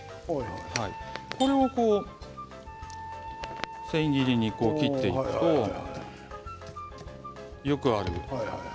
これを千切りに切っていくとよくある。